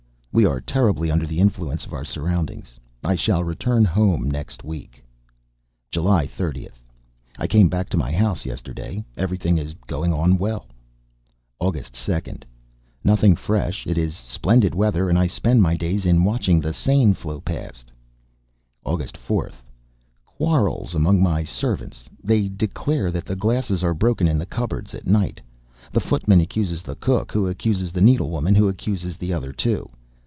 We are terribly under the influence of our surroundings. I shall return home next week. Frog Island. July 30th. I came back to my own house yesterday. Everything is going on well. August 2d. Nothing fresh; it is splendid weather, and I spend my days in watching the Seine flow past. August 4th. Quarrels among my servants. They declare that the glasses are broken in the cupboards at night. The footman accuses the cook, who accuses the needlewoman, who accuses the other two.